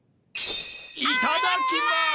いただきます！